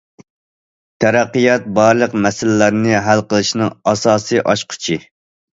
تەرەققىيات بارلىق مەسىلىلەرنى ھەل قىلىشنىڭ ئاساسىي ئاچقۇچى.